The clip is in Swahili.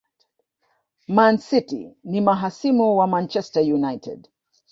Man city ni mahasimu wa Manchester United